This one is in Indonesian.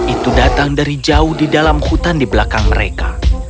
itu datang dari jauh di dalam hutan di belakang mereka